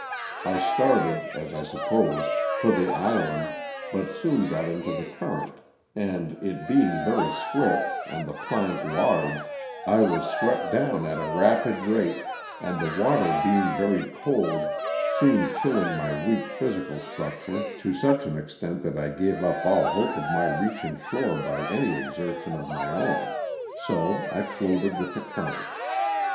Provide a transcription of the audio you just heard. I started, as I supposed, for the island but soon got into the current and, it being very swift and the plank large, I was swept down at a rapid rate and the water being very cold soon chilling my weak physical struc 25 194 LOSS OF THE SULTANA. ture to such an extent that I gave up all hope of my reaching shore by any exertion of my own ; so I floated with the current.